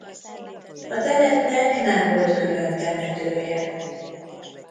A telepnek nem volt külön temetője.